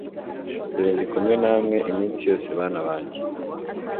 dore ndi kumwe namwe iminsi yose bana banjye